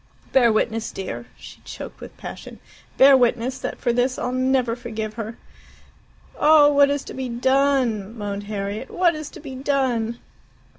Bear witness, dear" she choked with passion "bear witness that for this I'll never forgive her!" "Oh, what is to be done?" moaned Harriet. "What is to be done?"